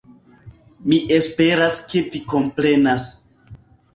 Mi esperas ke vi komprenas